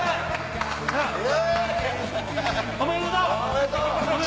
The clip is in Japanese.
おめでとう。